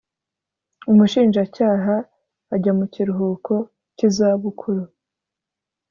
umushinjacyaha ajya mu kiruhuko cy’izabukuru